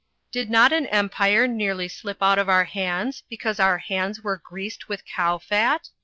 Did not an Empire nearly slip out of our hands because our hands were greased with cow fat?